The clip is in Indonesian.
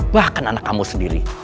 bahkan anak kamu sendiri